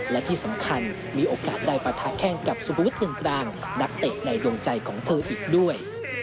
และที่สำคัญมีโอกาสได้ปะทะแข้งกับสุภวุฒึนกลางนักเตะในดวงใจของเธออีกด้วย